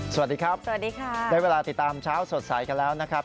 สวัสดีครับสวัสดีค่ะได้เวลาติดตามเช้าสดใสกันแล้วนะครับ